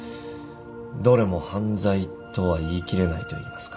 どれも犯罪とは言い切れないといいますか。